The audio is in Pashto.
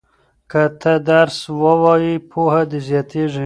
که ته درس ووایې پوهه دې زیاتیږي.